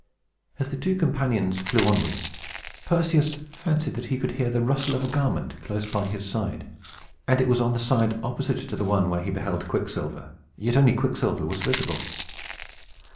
As the two companions flew onward, Perseus fancied that he could hear the rustle of a garment close by his side; and it was on the side opposite to the one where he beheld Quicksilver, yet only Quicksilver was visible.